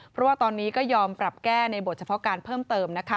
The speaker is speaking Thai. เพราะว่าตอนนี้ก็ยอมปรับแก้ในบทเฉพาะการเพิ่มเติมนะคะ